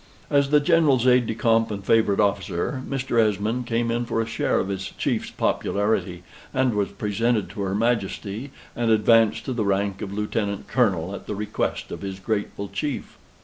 As the General's aide de camp and favorite officer, Mr. Esmond came in for a share of his chief's popularity, and was presented to her Majesty, and advanced to the rank of Lieutenant Colonel, at the request of his grateful chief.